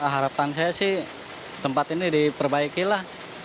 harapan saya sih tempat ini diperbaiki lah